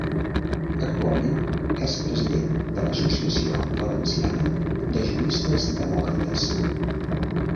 Actualment és president de l'Associació Valenciana de Juristes Demòcrates.